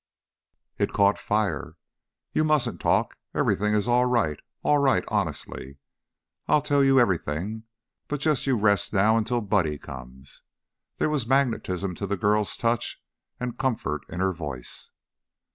"It caught fire." "You mustn't talk. Everything is all right all right, honestly. I'll tell you everything, but just you rest now until Buddy comes." There was magnetism to the girl's touch and comfort in her voice.